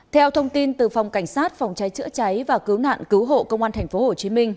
theo thông tin từ phòng cảnh sát phòng cháy chữa cháy và cứu nạn cứu hộ công an tp hcm